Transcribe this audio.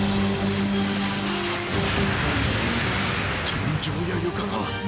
天井や床が！